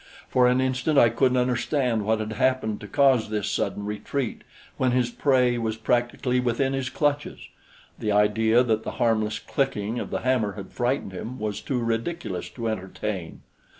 For an instant I couldn't understand what had happened to cause this sudden retreat when his prey was practically within his clutches. The idea that the harmless clicking of the hammer had frightened him was too ridiculous to entertain.